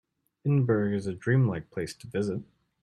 Edinburgh is a dream-like place to visit.